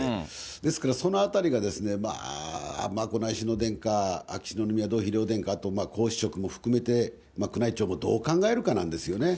ですからそのあたりが、眞子内親王殿下、秋篠宮殿下、皇嗣職も含めて、宮内庁もどう考えるかなんですよね。